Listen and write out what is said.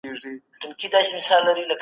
ښوونځی ماشومانو ته د کار کولو انګیزه ورکوي.